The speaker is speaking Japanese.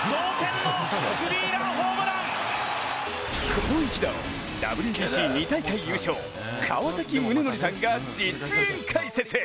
この１打をＷＢＣ２大会優勝川崎宗則さんが実演解説！